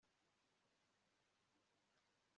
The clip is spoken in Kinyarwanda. ingofero yabo yo kutitaho ibintu, no gutwika umuzingo